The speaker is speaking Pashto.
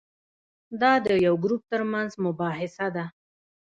دا د یو ګروپ ترمنځ مباحثه ده.